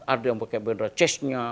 ada yang pakai bendera ceznya